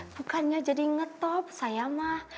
bukannya jadi ngetop saya mah